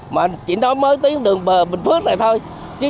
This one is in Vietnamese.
mà chỉ nói mới tiếng đường bờ bình phước này thôi